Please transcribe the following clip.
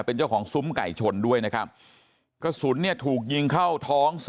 เป็นเจ้าของซุ้มไก่ชนด้วยนะครับกระสุนเนี่ยถูกยิงเข้าท้อง